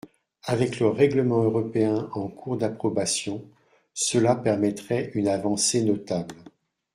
Avec le règlement européen en cours d’approbation, cela permettrait une avancée notable.